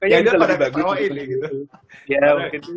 ya ini yang paling bagus